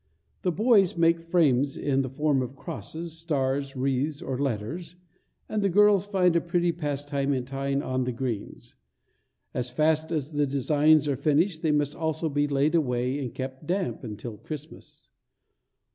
The boys make frames in the form of crosses, stars, wreaths, or letters, and the girls find a pretty pastime in tying on the greens. As fast as the designs are finished they must also be laid away and kept damp until Christmas.